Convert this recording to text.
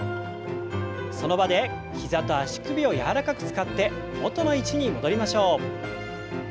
その場で膝と足首を柔らかく使って元の位置に戻りましょう。